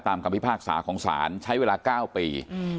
ตามกรรมพิพากษาของศาลใช้เวลา๙ปี